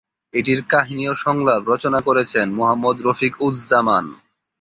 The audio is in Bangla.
এটির কাহিনি ও সংলাপ রচনা করেছেন মোহাম্মদ রফিক উজ জামান।